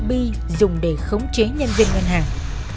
bi dùng để khống chế nhân viên ngân hàng